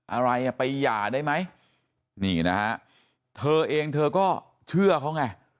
อะไรอ่ะไปหย่าได้ไหมนี่นะฮะเธอเองเธอก็เชื่อเขาไง